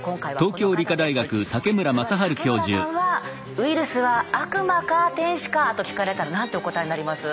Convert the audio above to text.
ズバリ武村さんはウイルスは悪魔か天使かと聞かれたら何てお答えになります？